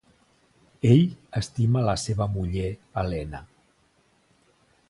Ell estima la seva muller Helena.